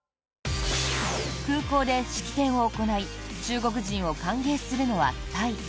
空港で式典を行い中国人を歓迎するのは、タイ。